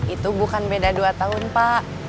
itu bukan beda dua tahun pak